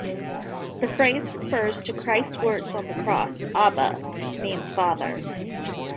The phrase refers to Christ's words on the cross: "Abba" means "father".